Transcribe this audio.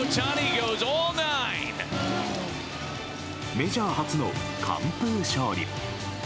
メジャー初の完封勝利。